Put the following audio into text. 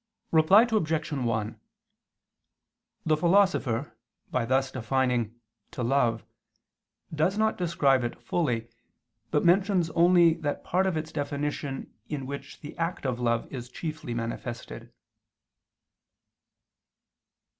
Reply Obj. 1: The Philosopher, by thus defining "to love," does not describe it fully, but mentions only that part of its definition in which the act of love is chiefly manifested.